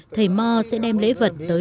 thầy mo sẽ đem lễ vật tới dân lễ hội